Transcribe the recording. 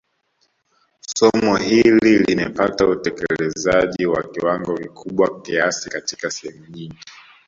Somo hili limepata utekelezi wa kiwango kikubwa kiasi katika sehemu nyingi